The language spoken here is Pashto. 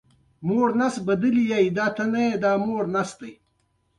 د افغانستان په جغرافیه کې چار مغز ستر اهمیت لري.